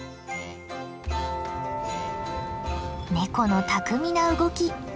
ネコの巧みな動き